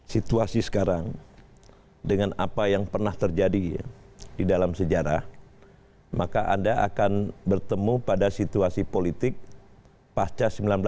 situasi sekarang dengan apa yang pernah terjadi di dalam sejarah maka anda akan bertemu pada situasi politik pasca seribu sembilan ratus sembilan puluh